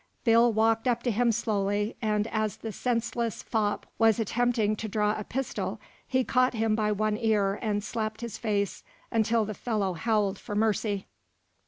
Bill walked up to him slowly, and as the senseless fop was attempting to draw a pistol, he caught him by one ear and slapped his face until the fellow howled for mercy.